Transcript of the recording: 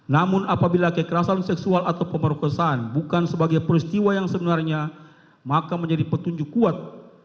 namun apabila kekerasan seksual atau pemerkosaan bukan sebagai peristiwa yang sebenarnya maka menjadi petunjuk kuat